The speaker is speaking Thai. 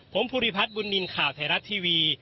ผมภูริพัฒน์บุญนินทร์ข่าวไทยรัฐทีวี